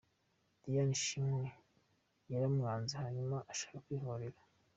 Diane Shima yaramwanze hanyuma ashaka kwihorera.